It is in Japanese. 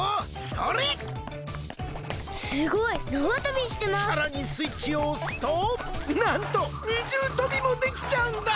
さらにスイッチをおすとなんとにじゅうとびもできちゃうんだ！